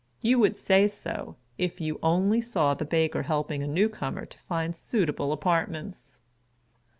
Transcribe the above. You would say so, if you only saw the baker helping a new comer to find suitable apartments.